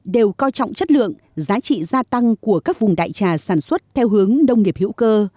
đều coi trọng chất lượng giá trị gia tăng của các vùng đại trà sản xuất theo hướng nông nghiệp hữu cơ